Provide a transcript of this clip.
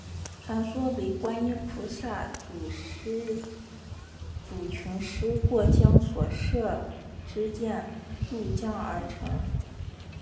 传说为观音菩萨阻群狮过江所射之箭入江而成。